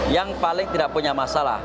yang paling tidak punya masalah